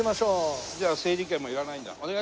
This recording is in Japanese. じゃあ整理券もいらないんだ。